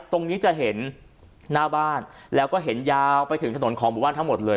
ตรงนี้จะเห็นหน้าบ้านแล้วก็เห็นยาวไปถึงถนนของหมู่บ้านทั้งหมดเลย